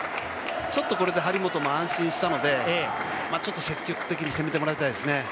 ちょっとこれで張本も安心したので積極的に攻めてもらいたいですね。